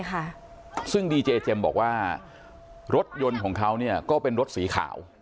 ค่ะซึ่งดีเจเจมส์บอกว่ารถยนต์ของเขาเนี่ยก็เป็นรถสีขาว